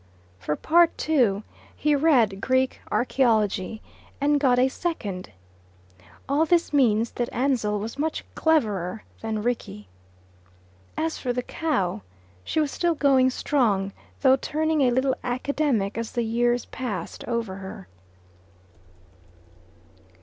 For Part II. he read Greek Archaeology, and got a second. All this means that Ansell was much cleverer than Rickie. As for the cow, she was still going strong, though turning a little academic as the years passed over her.